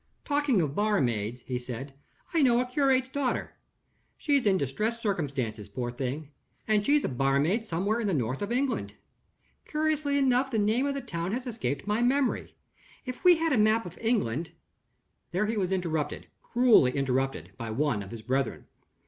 "Talking of barmaids," he said, "I know a curate's daughter. She's in distressed circumstances, poor thing; and she's a barmaid somewhere in the north of England. Curiously enough, the name of the town has escaped my memory. If we had a map of England " There he was interrupted, cruelly interrupted, by one of his brethren.